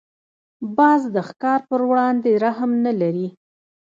باز د ښکار پر وړاندې رحم نه لري